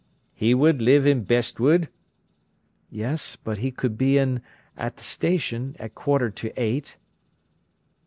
"He would live in Bestwood?" "Yes; but he could be in—at the station—at quarter to eight."